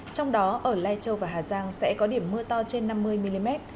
trong đó ở lai châu và hà giang sẽ có điểm mưa to trên năm mươi mm